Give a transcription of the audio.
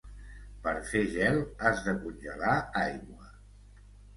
Per fer gel, has de congelar aigua.